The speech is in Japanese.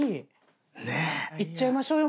いっちゃいましょうよ